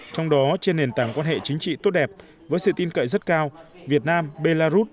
trong đó trên nền tảng quan hệ chính trị tốt đẹp với sự tin cậy rất cao việt nam belarus